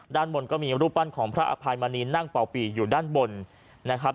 ด้านบนก็มีรูปปั้นของพระอภัยมณีนั่งเป่าปีอยู่ด้านบนนะครับ